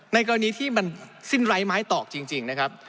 กรณีที่มันสิ้นไร้ไม้ตอกจริงนะครับ